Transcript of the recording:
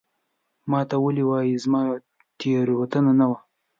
ما ته ولي وایې ؟ زما تېروتنه نه وه